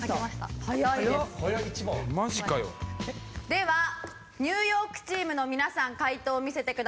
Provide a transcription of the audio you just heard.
ではニューヨークチームの皆さん解答を見せてください。